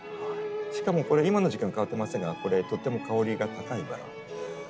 しかもこれ今の時間は香ってませんがこれとっても香りが高いバラ。